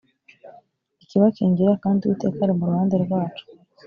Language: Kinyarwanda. ikibakingira kandi uwiteka ari mu ruhande rwacu